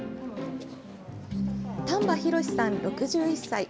丹波弘さん６１歳。